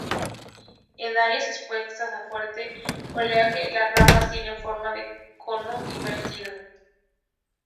En áreas expuestas a fuerte oleaje las ramas tienen forma de cono invertido.